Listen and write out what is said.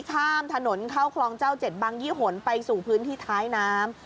ข้ามถนนเข้าคลองเจ้าเจ็ดบังยี่หนไปสู่พื้นที่ท้ายน้ำ